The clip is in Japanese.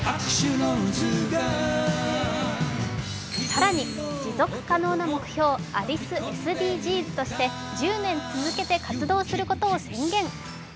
更に持続可能な目標アリスＳＤＧｓとして１０年続けて活動することを宣言。